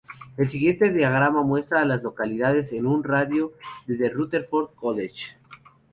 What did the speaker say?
El siguiente diagrama muestra a las localidades en un radio de de Rutherford College.